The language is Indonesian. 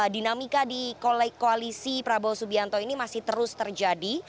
dinamika di koalisi prabowo subianto ini masih terus terjadi